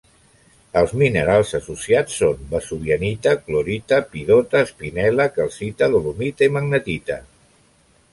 Els minerals associats són: vesuvianita, clorita, epidota, espinel·la, calcita, dolomita i magnetita.